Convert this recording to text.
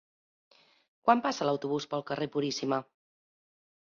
Quan passa l'autobús pel carrer Puríssima?